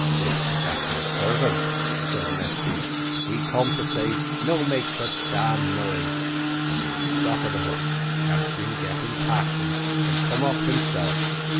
"Dis de captain's servant," said Mesty, "he come say no make such damned noise. Stop a little captain get in passion, and come up himself."